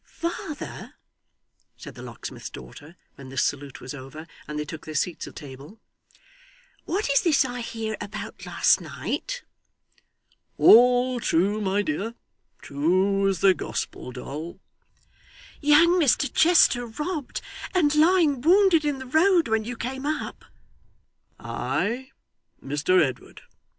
'Father,' said the locksmith's daughter, when this salute was over, and they took their seats at table, 'what is this I hear about last night?' 'All true, my dear; true as the Gospel, Doll.' 'Young Mr Chester robbed, and lying wounded in the road, when you came up!' 'Ay Mr Edward.